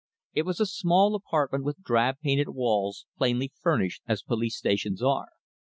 It was a small apartment with drab painted walls, plainly furnished as police stations are.